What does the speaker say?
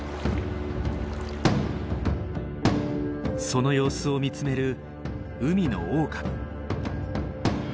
その様子を見つめる海のオオカミ。